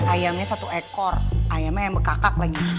ayamnya satu ekor ayamnya yang bekak bekak lagi